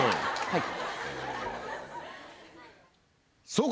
はい。